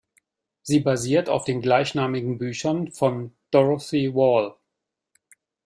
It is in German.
Sie basiert auf den "gleichnamigen Büchern" von Dorothy Wall.